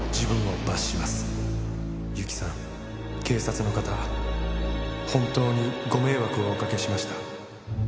警察の方本当に御迷惑をおかけしました」